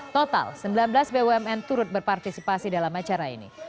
total sembilan belas bumn turut berpartisipasi dalam acara ini